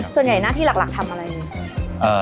ส่วนใหญ่หน้าที่หลักทำอะไร